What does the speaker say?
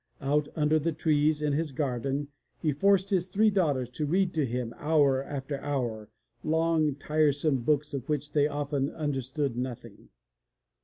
Out under the trees in his garden he forced his three daughters to read to him hour after hour, long, tiresome books of which they often understood nothing.